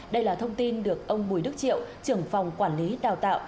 đây là thông tin được ông bùi đức triệu trưởng phòng quản lý đào tạo